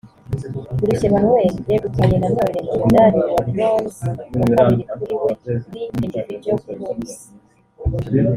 Birushya Emmanuel (yegukanye na none umudali wa Bronze wa kabiri kuri we muri Individual Poomse)